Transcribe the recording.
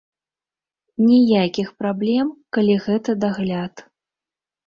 Ніякіх праблем, калі гэта дагляд.